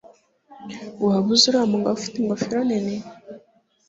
Waba uzi uriya mugabo ufite ingofero nini